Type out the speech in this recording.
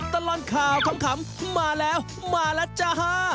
ตลอดข่าวขำมาแล้วมาแล้วจ้า